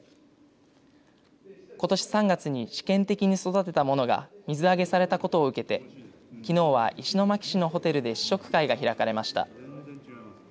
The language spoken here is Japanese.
ことし３月に試験的に育てたものが水揚げされたことを受けてきのうは、石巻市のホテルで試食会が開かれました。